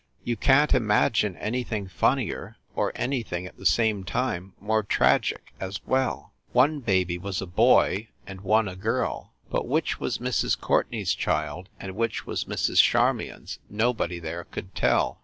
You can t imagine anything funnier, or any thing at the same time more tragic as well. One baby was a boy and one a girl ; but which was Mrs. Courtenay s child and which was Mrs. Charmion s nobody there could tell.